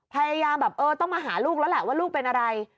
พยายามแบบเออต้องมาหาลูกแล้วแหละว่าลูกเป็นอะไร